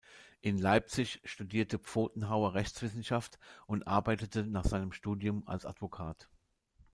In Leipzig studierte Pfotenhauer Rechtswissenschaft und arbeitete nach seinem Studium als Advokat.